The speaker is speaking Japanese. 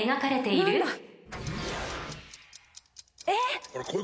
えっ！？